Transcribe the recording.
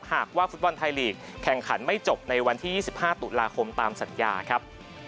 หากว่าฟุตบอลไทยลีกแข่งขันไม่จบในวันที่๒๕ตุลาคมตามสัญญาครับ